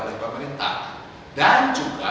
oleh pemerintah dan juga